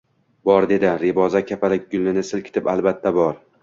Bor, dedi Reboza kapalakgulini silkitib, albatta, bor